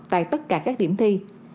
tại tất cả các điểm thi